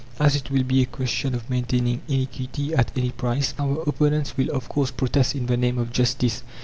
As it will be a question of maintaining iniquity at any price, our opponents will of course protest "in the name of justice."